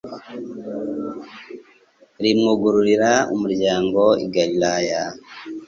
rimwugururira umuryango i Galilaya.